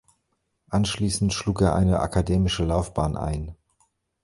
Anschließend schlug er eine akademische Laufbahn ein.